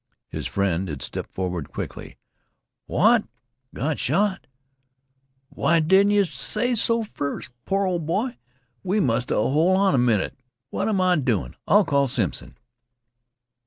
His friend had stepped forward quickly. "What? Got shot? Why didn't yeh say so first? Poor ol' boy, we must hol' on a minnit; what am I doin'. I'll call Simpson."